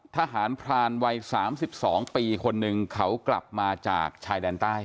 ทหารพรานวัย๓๒ปีคนหนึ่งเขากลับมาจากชายแดนใต้